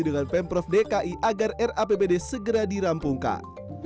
dengan pemprov dki agar rapbd segera dirampungkan